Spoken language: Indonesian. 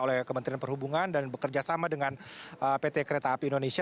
oleh kementerian perhubungan dan bekerjasama dengan pt kereta api indonesia